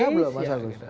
sudah belum mas agus